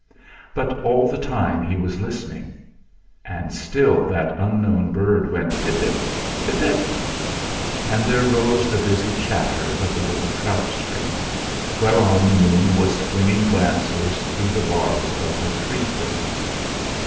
But all the time he was listening. And still that unknown bird went "Pip pip," "Pip pip," and there rose the busy chatter of the little trout stream, whereon the moon was flinging glances through the bars of her tree prison.